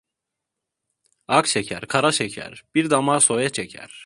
Ak şeker, kara şeker, bir damar soya çeker.